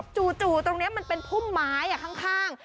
จู่ตรงนี้มันเป็นพุ่มไม้ข้าง